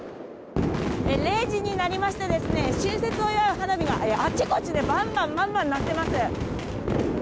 ０時になりまして春節を祝う花火があちこちでバンバン鳴っています。